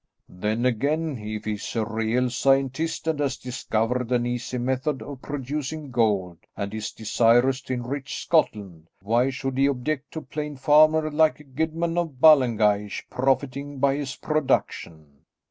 "Then again if he is a real scientist and has discovered an easy method of producing gold and is desirous to enrich Scotland, why should he object to a plain farmer like the Guidman of Ballengeich profiting by his production?"